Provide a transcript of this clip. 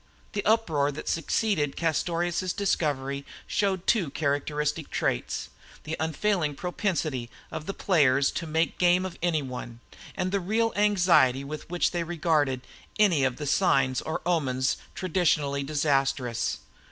The uproar that succeeded upon Castorious's discovery showed two characteristic traits the unfailing propensity of the players to make game of any one, and the real anxiety with which they regarded any of the signs or omens traditionally disastrous.